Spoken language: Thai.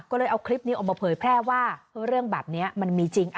ก็เลยเอาคลิปนี้ออกมาเผยแพร่ว่าเรื่องแบบนี้มันมีจริง